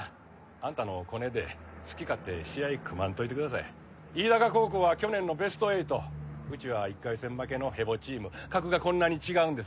あんたのコネで好き勝手試合組まんといてください飯高高校は去年のベスト８うちは１回戦負けのヘボチーム格がこんなに違うんです